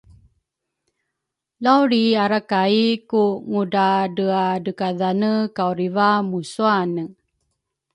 lawlriarakai ku ngudradreadrekadhane kawriva muswane.